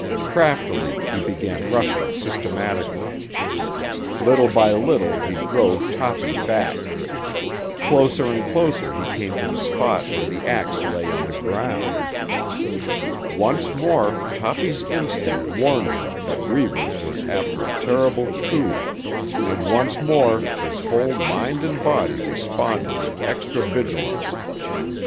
Craftily he began rushing systematically. Little by little he drove Toppy back. Closer and closer he came to the spot where the axe lay on the ground. Once more Toppy's instinct warned him that Reivers was after a terrible coup, and once more his whole mind and body responded with extra vigilance.